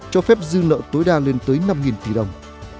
cho phép dư nợ tối đa lên tới năm tỷ đồng